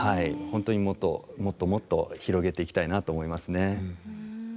本当にもっともっともっと広げていきたいなと思いますね。